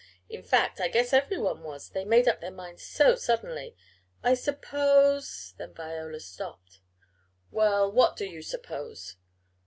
In fact, I guess everyone was they made up their minds so suddenly. I suppose " Then Viola stopped. "Well, what do you suppose?"